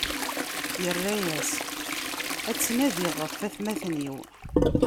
Irra-yas: Ad tnadiɣ ɣef watmaten-iw.